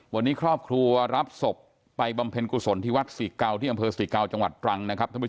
วันนี้ครอบครัวรับศพไปบำเพ็ญกุศลที่วัดศรีเก่าที่อำเภอศรีเกาจังหวัดตรังนะครับท่านผู้ช